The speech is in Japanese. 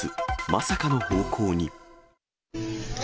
まさかの方向に。